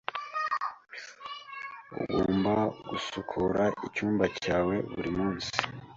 Ugomba gusukura icyumba cyawe buri munsi.